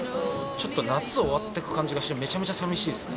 ちょっと夏終わってく感じがしてめちゃめちゃ寂しいっすね